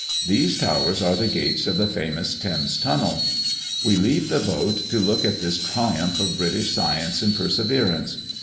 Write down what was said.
These towers are the gates of the famous Thames Tunnel. We leave the boat to look at this triumph of British science and perseverance.